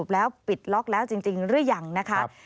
แล้วปิดล็อกแล้วจริงหรือยังนะคะ